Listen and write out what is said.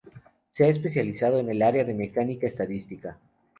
Se ha especializado en el área de mecánica estadística.